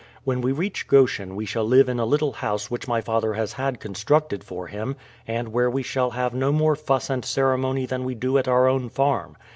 When we reach Goshen we shall live in a little house which my father has had constructed for him, and where we shall have no more fuss and ceremony than we do at our own farm.